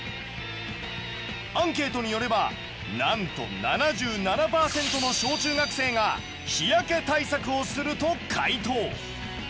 アンケートによればなんと７７％の小中学生が日焼け対策をすると回答。